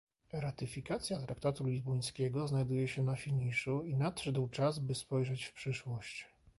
Ratyfikacja traktatu lizbońskiego znajduje się na finiszu i nadszedł czas, by spojrzeć w przyszłość